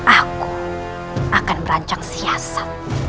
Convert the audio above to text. aku akan merancang siasat